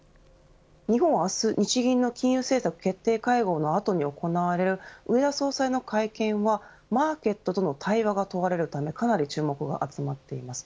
日本は明日、日銀の金融政策決定会合の後に行われる植田総裁の会見はマーケットとの対話が問われるため、かなり注目が集まっています。